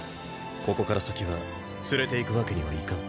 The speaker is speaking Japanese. ここから先は連れていくわけにはいかん。